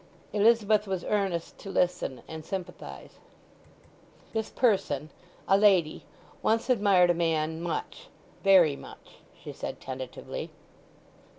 Elizabeth was earnest to listen and sympathize. "This person—a lady—once admired a man much—very much," she said tentatively.